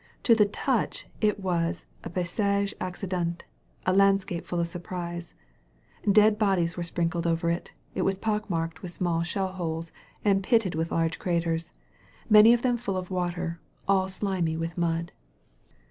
To the touch it was a pay sage acddenU, a landscape full of surprises. Dead bodies were sprinkled over it. It was pockmarked with small shell holes and pitted with large craters, many of them full of water, all slimy with mud.